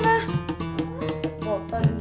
wih ganti baju sana